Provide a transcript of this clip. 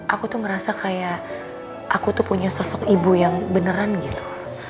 aku tuh ngerasa kayak aku tuh punya sosok ibu yang beneran gitu